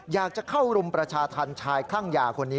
อยากจะเข้ารุมประชาธรรมชายคลั่งยาคนนี้